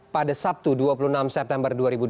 pada sabtu dua puluh enam september dua ribu dua puluh